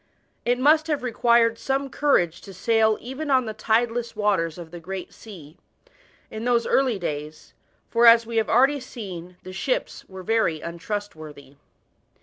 It must have required some courage to sail even on the tideless waters of the Great Sea, in those early days, for, as we have already seen, the ships were very untrustworthy.